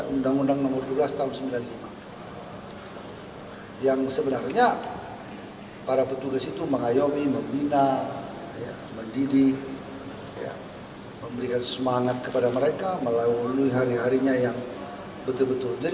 undang undang nomor dua belas tahun seribu sembilan ratus sembilan puluh lima